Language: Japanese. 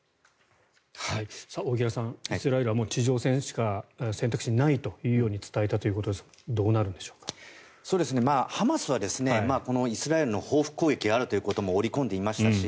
大平さん、イスラエルはもう地上戦しか選択肢にないと伝えたということですがハマスはこのイスラエルの報復攻撃があるということも織り込んでいましたし